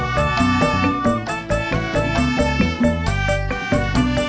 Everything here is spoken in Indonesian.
ntar juga kamu liat sendiri